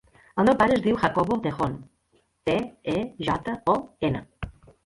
El meu pare es diu Jacobo Tejon: te, e, jota, o, ena.